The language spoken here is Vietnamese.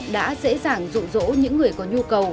dụ dỗ những người có nhu cầu